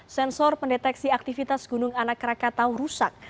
sensor pendeteksi aktivitas gunung anak rakatau rusak